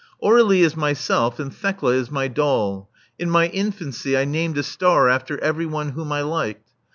'' *'Aur61ie is myself ; and Thekla is my doll. In my infancy I named a star after every one whom I liked.